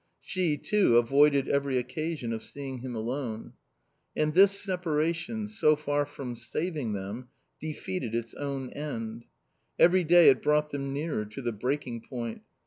She, too, avoided every occasion of seeing him alone. And this separation, so far from saving them, defeated its own end. Every day it brought them nearer to the breaking point.